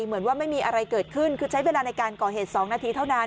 เหมือนว่าไม่มีอะไรเกิดขึ้นคือใช้เวลาในการก่อเหตุ๒นาทีเท่านั้น